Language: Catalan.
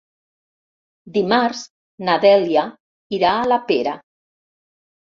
Dimarts na Dèlia irà a la Pera.